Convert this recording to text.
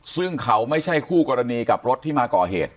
ซึ่งเขาไม่ใช่คู่กรณีกับรถที่มาก่อเหตุ